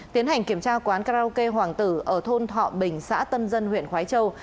tiến hành kiểm tra quán karaoke hoàng tử ở thôn thọ bình xã tân dân huyện khói châu